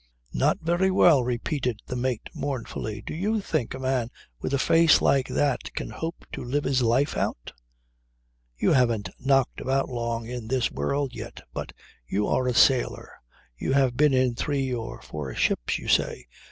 "Not very well," repeated the mate mournfully. "Do you think a man with a face like that can hope to live his life out? You haven't knocked about long in this world yet, but you are a sailor, you have been in three or four ships, you say.